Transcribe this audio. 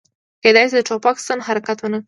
کیدای شي د ټوپک ستن حرکت ونه کړي